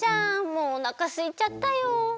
もうおなかすいちゃったよ。